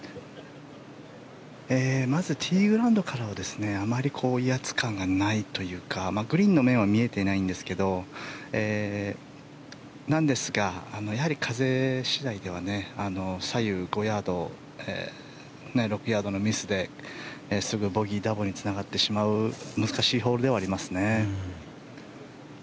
まずティーグラウンドからはあまり威圧感はないというかグリーンの面は見えていないんですがやはり風次第では左右５ヤード６ヤードのミスですぐボギー、ダボにつながってしまう難しいホールではありますね。